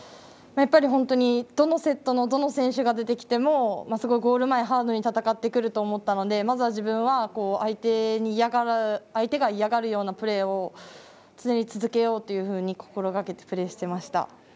やっぱりどのセットのどの選手が出てきてもゴール前をハードに戦ってくると思ったのでまずは自分は相手が嫌がるようなプレーを常に続けようというふうに心がけてプレーしてました。